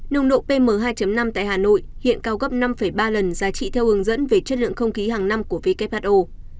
nồng độ pm hai năm tại hà nội hiện cao gấp năm ba lần giá trị theo hướng dẫn về chất lượng không khí hàng năm của who